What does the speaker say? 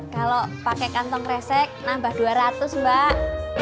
kalau pakai kantong kresek nambah dua ratus mbak